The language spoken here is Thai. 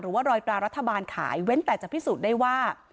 ว่ารอยตรารัฐบาลขายเว้นแต่จะพิสูจน์ได้ว่า